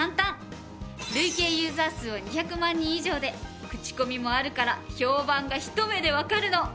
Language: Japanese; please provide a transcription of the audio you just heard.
累計ユーザー数は２００万人以上で口コミもあるから評判がひと目でわかるの。